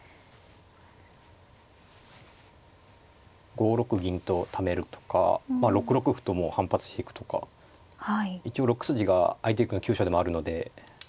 ５六銀とためるとか６六歩ともう反発していくとか一応６筋が相手玉の急所でもあるので。